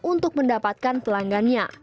untuk mendapatkan pelanggannya